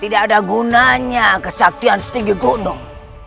tidak ada gunanya kesaktian setinggi gunung